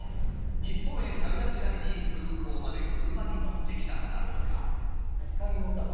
日本へ旅立つ際に空港まで車に乗ってきたのだろうか。